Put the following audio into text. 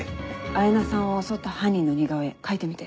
彩菜さんを襲った犯人の似顔絵描いてみて。